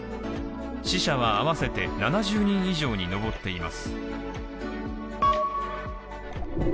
死者は合わせて７０人以上に上っています。